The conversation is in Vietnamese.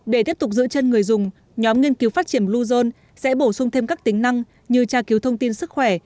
để tiếp tục giữ chân người dùng nhóm nghiên cứu phát triển bluezone sẽ bổ sung thêm các tính năng như tra cứu thông tin sức khỏe